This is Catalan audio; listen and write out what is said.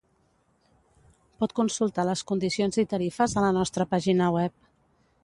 Pot consultar les condicions i tarifes a la nostra pàgina web.